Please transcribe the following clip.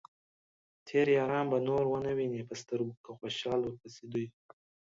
تېر ياران به نور ؤنه وينې په سترګو ، که خوشال ورپسې دوې